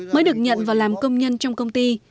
mới được nhận và làm công nhân trong công ty